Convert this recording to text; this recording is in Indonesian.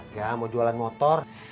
gak mau jualan motor